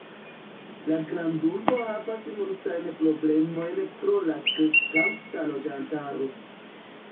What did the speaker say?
La grandurbo havas multajn problemojn pro la kreskanta loĝantaro.